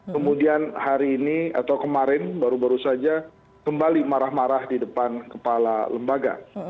kemudian hari ini atau kemarin baru baru saja kembali marah marah di depan kepala lembaga